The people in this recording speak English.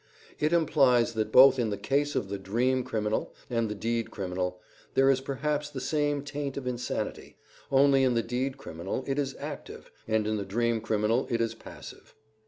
It implies that both in the case of the dream criminal and the deed criminal there is perhaps the same taint of insanity; only in the deed criminal it is active, and in the dream criminal it is passive.